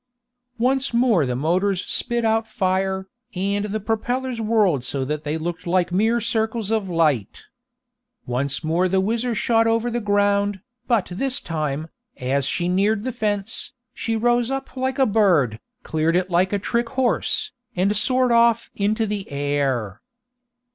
Once more the motors spit out fire, and the propellers whirled so that they looked like mere circles of light. Once more the WHIZZER shot over the ground, but this time, as she neared the fence, she rose up like a bird, cleared it like a trick horse, and soared off into the air!